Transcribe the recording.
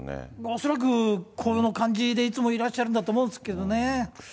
恐らくこの感じでいつもいらっしゃるんだと思うんですけどね。